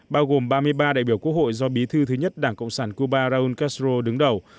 bao gồm ba mươi ba đại biểu quốc hội do bí thư thứ nhất đảng cộng sản cuba raúl castro đứng đầu